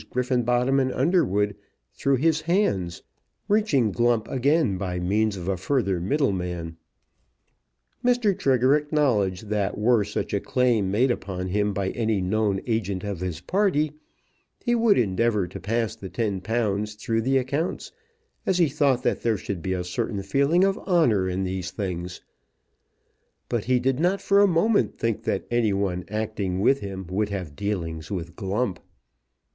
Griffenbottom and Underwood through his hands, reaching Glump again by means of a further middleman. Mr. Trigger acknowledged that were such a claim made upon him by any known agent of his party, he would endeavour to pass the ten pounds through the accounts, as he thought that there should be a certain feeling of honour in these things; but he did not for a moment think that any one acting with him would have dealings with Glump.